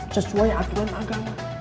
sesuai aturan agama